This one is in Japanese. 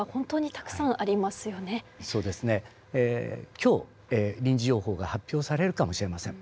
今日臨時情報が発表されるかもしれません。